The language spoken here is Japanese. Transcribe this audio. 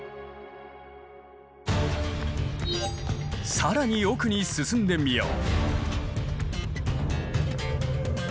更に奥に進んでみよう。